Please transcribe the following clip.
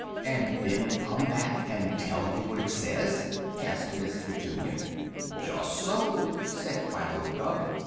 "And then come back and tell you what it says?" asked Miss Petunia. "Just so!" said Philo Gubb.